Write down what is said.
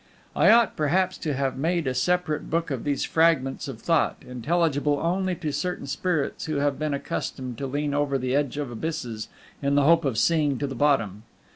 I ought perhaps to have made a separate book of these fragments of thought, intelligible only to certain spirits who have been accustomed to lean over the edge of abysses in the hope of seeing to the bottom.